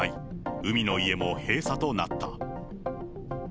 海の家も閉鎖となった。